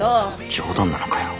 冗談なのかよ